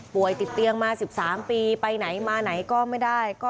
ติดเตียงมา๑๓ปีไปไหนมาไหนก็ไม่ได้